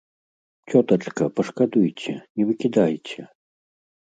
Цётачка, пашкадуйце, не выкідайце.